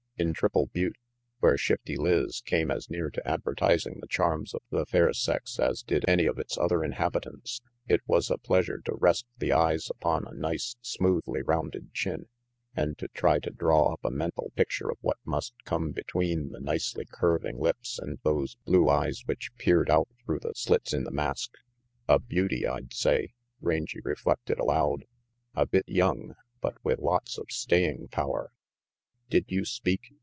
In Triple Butte where Shifty Lizz came as near to advertising the charms of the fair sex as did any of its other inhabitants, it was a pleasure to rest the eyes upon a nice, smoothly rounded chin and to try to draw up a mental picture of what must come between the nicely curving lips and those blue eyes which peered out through the slits in the mask. "A beauty, I'd say," Rangy reflected aloud. "A bit young, but with lots of staying power." "Did you speak?"